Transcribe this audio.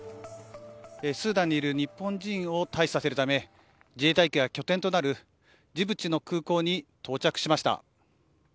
スーダンにいる日本人を退避させるため自衛隊機が拠点となるジブチの空港に到着しました。